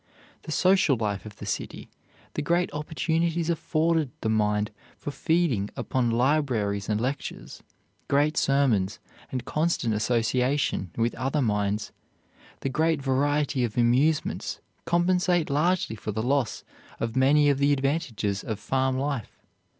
The social life of the city, the great opportunities afforded the mind for feeding upon libraries and lectures, great sermons, and constant association with other minds, the great variety of amusements compensate largely for the loss of many of the advantages of farm life.